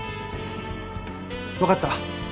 わかった。